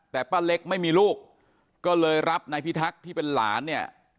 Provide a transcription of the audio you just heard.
แต่ป้าเล็กไม่มีลูกก็เลยรับนายพิทักษ์ที่เป็นหลานเนี่ย